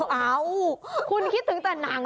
เอ้าคุณคิดถึงแต่หนัง